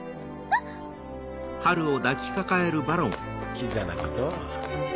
キザなことを。